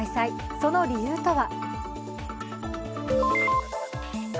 その理由とは？